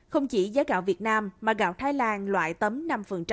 không chỉ giá gạo việt nam mà gạo thái lan loại tấm năm